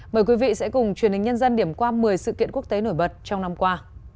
mời quý vị sẽ cùng truyền hình nhân dân điểm qua một mươi sự kiện quốc tế nổi bật trong năm qua